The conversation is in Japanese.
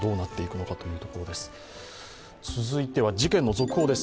続いては事件の続報です。